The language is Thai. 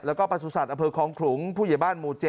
แล้วก็ปรสุทธิตฐานอเมิกของขลุงผู้ใหญ่บ้านมู่๗